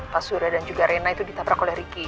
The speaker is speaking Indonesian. pak surya dan juga rena itu ditabrak oleh ricky